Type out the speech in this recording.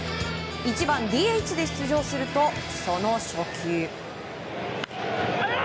１番ＤＨで出場するとその初球。